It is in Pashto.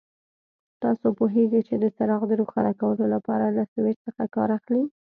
تاسو پوهېږئ چې د څراغ د روښانه کولو لپاره له سویچ څخه کار اخلي.